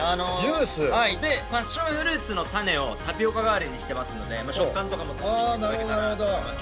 パッションフルーツの種をタピオカ代わりにしてますので食感とかも楽しんでいただけたらと思います。